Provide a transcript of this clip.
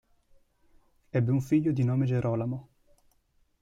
Ebbe un figlio di nome Gerolamo.